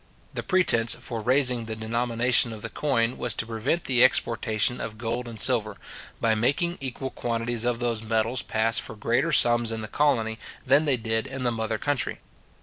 The pretence for raising the denomination of the coin was to prevent the exportation of gold and silver, by making equal quantities of those metals pass for greater sums in the colony than they did in the mother country.